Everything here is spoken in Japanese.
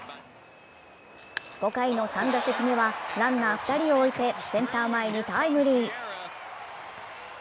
５回の３打席目はランナー２人を置いてセンター前にタイムリー。